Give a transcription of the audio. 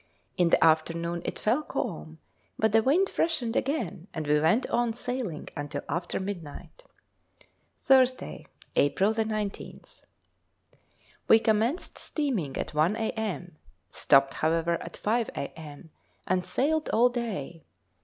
In the afternoon it fell calm, but the wind freshened again, and we went on sailing until after midnight. Thursday, April 19th. We commenced steaming at 1 a.m., stopped, however, at 5 a.m., and sailed all day.